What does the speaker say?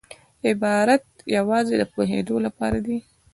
عبارت یوازي د پوهېدو له پاره دئ.